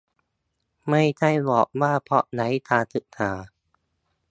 ไม่ใช่บอกว่า เพราะไร้การศึกษา